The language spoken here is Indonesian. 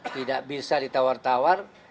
tidak bisa ditawar tawar